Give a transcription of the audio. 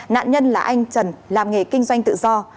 nạn nhân là anh trần làm nghề kinh doanh tự do